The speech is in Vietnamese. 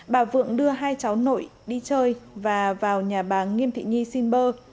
bà vượng đưa hai cháu nội đi chơi và vào nhà bà nghiêm thị nhi xin bơ